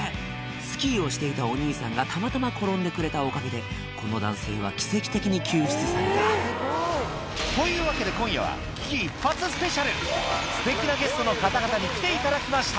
スキーをしていたお兄さんがたまたま転んでくれたおかげでこの男性は奇跡的に救出されたというわけで今夜はすてきなゲストの方々に来ていただきました